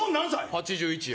８１や。